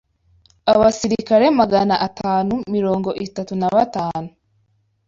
Abasirikare Magana atanu mirongo itatu nabatanu